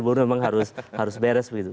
buruh memang harus beres begitu